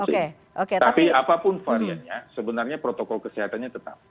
tapi apapun variannya sebenarnya protokol kesehatannya tetap